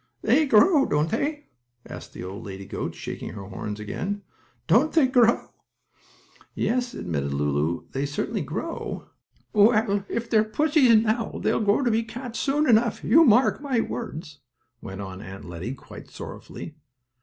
"They grow, don't they?" asked the old lady goat, shaking her horns again, "Don't they grow?" "Yes," admitted Lulu. "They certainly grow." "Well, if they're pussies now they'll grow to be cats soon enough, you mark my words," went on Aunt Lettie quite sorrowfully.